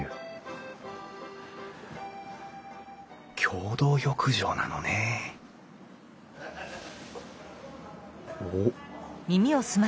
共同浴場なのね・おっ。